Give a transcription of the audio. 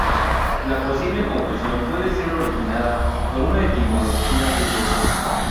La posible confusión puede ser originada por una etimología dudosa.